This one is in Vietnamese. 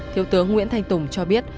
thiếu tướng nguyễn thanh tùng cho biết